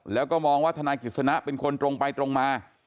แล้วก็มองว่าธนายกิจสนะเป็นคนตรงไปตรงมา